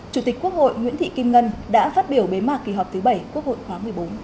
chủ tịch quốc hội nguyễn thị kim ngân đã phát biểu bế mạc kỳ họp thứ bảy quốc hội khóa một mươi bốn